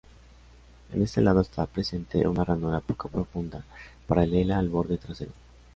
En este lado está presente una ranura poco profunda, paralela al borde trasero.